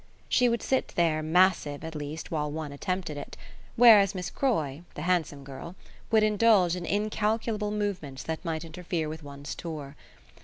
She would sit there massive at least while one attempted it; whereas Miss Croy, the handsome girl, would indulge in incalculable movements that might interfere with one's tour.